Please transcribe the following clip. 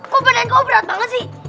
kok badan kamu berat banget sih